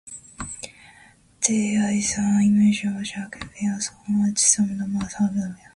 There is an image of chauri (whisk) bearers on each side of Mahavira.